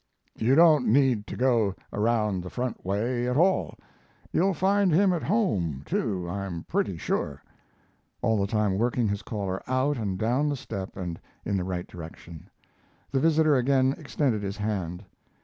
You don't need to go around the front way at all. You'll find him at home, too, I'm pretty sure"; all the time working his caller out and down the step and in the right direction. The visitor again extended his hand.